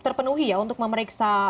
terpenuhi ya untuk memeriksa